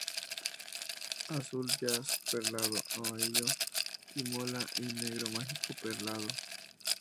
Azul Jazz perlado, Amarillo Imola, y Negro Mágico perlado.